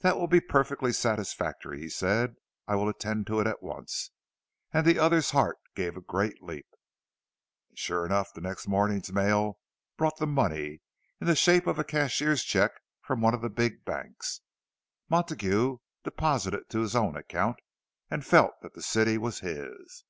"That will be perfectly satisfactory," he said. "I will attend to it at once." And the other's heart gave a great leap. And sure enough, the next morning's mail brought the money, in the shape of a cashier's cheque from one of the big banks. Montague deposited it to his own account, and felt that the city was his!